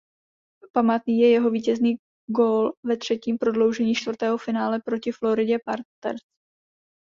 Památný je jeho vítězný gól ve třetím prodloužení čtvrtého finále proti Floridě Panthers.